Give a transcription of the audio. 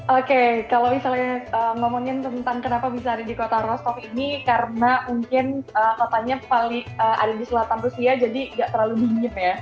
oke kalau misalnya ngomongin tentang kenapa bisa ada di kota rostov ini karena mungkin kotanya paling ada di selatan rusia jadi gak terlalu dingin ya